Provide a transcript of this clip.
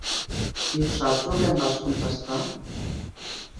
I ho saps lo que em vas contestar?